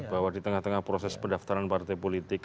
bahwa di tengah tengah proses pendaftaran partai politik